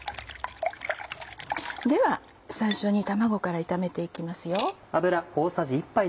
では最初に卵から炒めていきますよ。